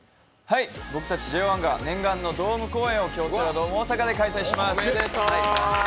僕たちＪＯ１が念願のドーム公演を京セラドーム大阪で開催します。